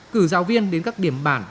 cử giáo viên đến các điểm bản